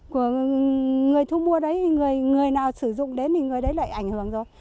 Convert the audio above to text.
của người thu mua đấy người nào sử dụng đến thì người đấy lại ảnh hưởng rồi